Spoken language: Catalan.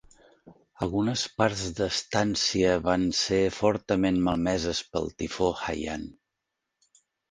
Algunes parts d'Estancia van ser fortament malmeses pel tifó Haiyan.